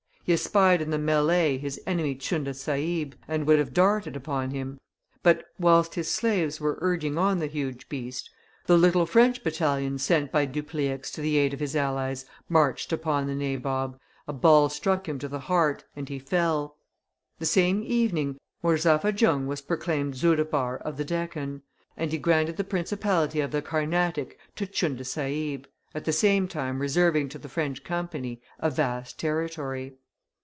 He espied in the melley his enemy Tchunda Sahib, and would have darted upon him; but, whilst his slaves were urging on the huge beast, the little French battalion sent by Dupleix to the aid of his allies marched upon the nabob, a ball struck him to the heart, and he fell. The same evening, Murzapha Jung was proclaimed Soudhabar of the Deccan, and he granted the principality of the Carnatic to Tchunda Sahib, at the same time reserving to the French Company a vast territory.